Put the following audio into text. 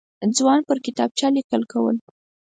ځوان پر کتابچه لیکل کول.